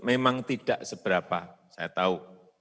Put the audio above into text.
memang tidak seberapa saya tahu